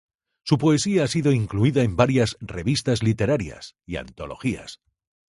Su poesía ha sido incluida en varias revistas literarias y antologías.